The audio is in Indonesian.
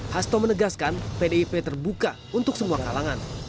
hasto menegaskan pdip terbuka untuk semua kalangan